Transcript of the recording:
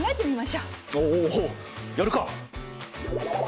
おおうやるか！